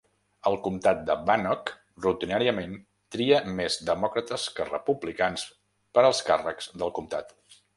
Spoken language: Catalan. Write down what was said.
El comtat de Bannock rutinàriament tria més demòcrates que republicans per als càrrecs del comtat.